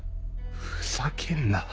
ふざけんな。